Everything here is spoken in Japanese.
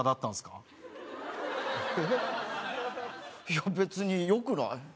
いや別によくない？